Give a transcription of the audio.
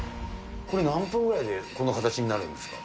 これ、何分ぐらいでこの形になるんですか。